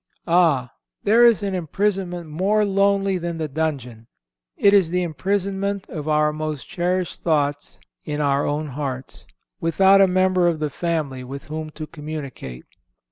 Ah! there is an imprisonment more lonely than the dungeon; it is the imprisonment of our most cherished thoughts in our own hearts, without a member of the family with whom to communicate.